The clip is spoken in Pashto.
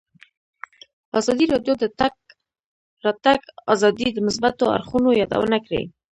ازادي راډیو د د تګ راتګ ازادي د مثبتو اړخونو یادونه کړې.